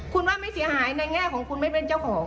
คุณว่าไม่เสียหายในแง่ของคุณไม่เป็นเจ้าของ